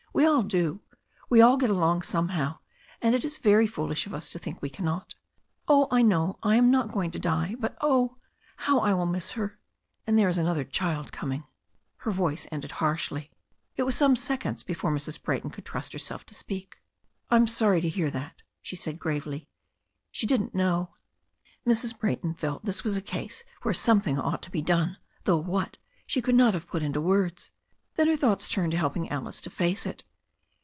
"We all do. We all get along somehow. And it is very foolish of us to think we cannot." "Oh, I know; I am not going to die. But, oh, God, how I will miss her, and there is another child coming." Her yoice ended harshly. It was some seconds before Mrs. Brayton could trust herself to speak. "I am sorry to hear that," she said gravely. "She didn't Icnow." Mrs. Brayton felt this was a case where something ought to be done, though what, she could not have put into words. Then her thoughts turned to helping Alice to face it.